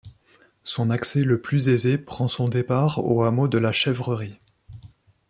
Son accès le plus aisé prend son départ au hameau de la Chèvrerie.